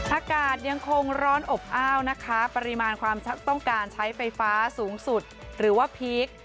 อากาศยังคงร้อนอบอ้าวนะคะปริมาณความต้องการใช้ไฟฟ้าสูงสุดหรือว่าพีค